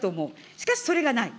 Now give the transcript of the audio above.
しかしそれがない。